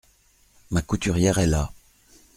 Ma couturière est là !